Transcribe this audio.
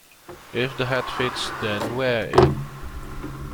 If the hat fits, then wear it!